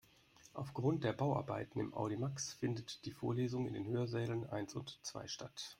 Aufgrund der Bauarbeiten im Audimax findet die Vorlesung in den Hörsälen eins und zwei statt.